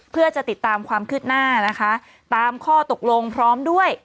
เพื่อจะติดตามความคืบหน้านะคะตามข้อตกลงพร้อมด้วย